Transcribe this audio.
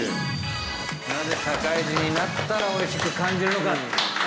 なぜ社会人になったらおいしく感じるのか。